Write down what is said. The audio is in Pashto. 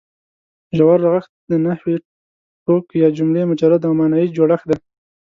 ژور رغښت د نحوي توک یا جملې مجرد او ماناییز جوړښت دی.